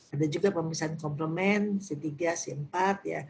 ada juga pemirsaan komplement c tiga c empat